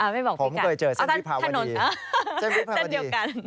ไม่บอกพี่กัตรอ่อทะนด้านเดียวกันนะจนที่พาวดี